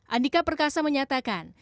andika perkasa menyatakan